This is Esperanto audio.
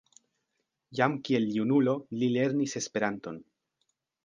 Jam kiel junulo li lernis Esperanton.